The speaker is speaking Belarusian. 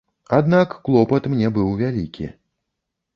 Аднак клопат мне быў вялікі.